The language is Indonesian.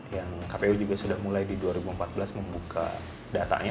yang kpu juga sudah mulai di dua ribu empat belas membuka datanya